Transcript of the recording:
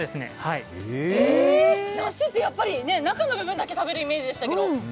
梨って中の部分だけ食べるイメージでしたけど。